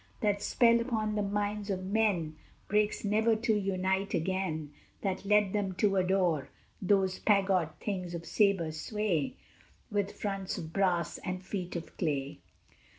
That spell upon the minds of men Breaks never to unite again, That led them to adore Those pagod things of sabre sway, With fronts of brass and feet of clay.